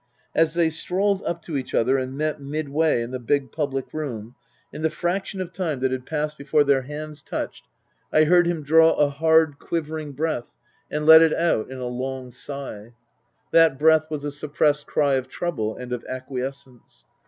As they strolled up to each other and met midway in the big public room, in the fraction of time that passed before 296 Tasker Jevons their hands touched I heard him draw a hard, quivering breath and let it out in a long sigh. That breath was a suppressed cry of trouble and of acquiescence.